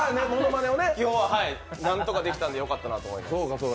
今日は何とかできたんでよかったと思います。